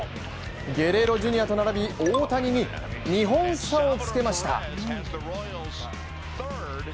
ゲレーロ・ジュニアと並び大谷に２本差をつけました。